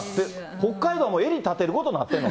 北海道、襟立てることになってんの？